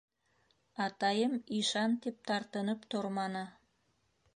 Атайым ишан тип тартынып торманы.